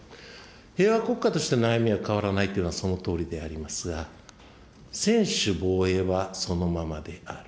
平和国家としての歩みは変わらないというのは、そのとおりでありますが、専守防衛はそのままである。